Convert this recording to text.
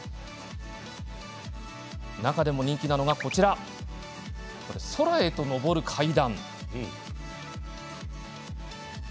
中でも人気なのが空へと昇る階段。